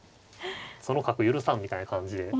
その角許さんみたいな感じで。